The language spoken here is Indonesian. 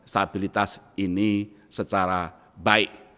stabilitas ini secara baik